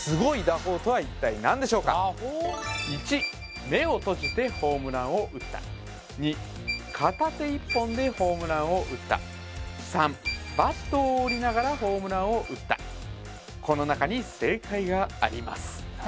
この１目を閉じてホームランを打った２片手一本でホームランを打った３バットを折りながらホームランを打ったこの中に正解があります